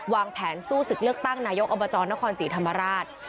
วางแผนสู้ศึกเลือกตั้งนายกอบจนครศรีธรรมราช